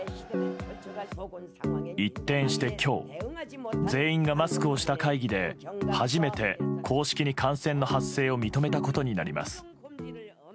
一転して、今日全員がマスクをした会議で初めて公式に感染の発生を認めたことになります。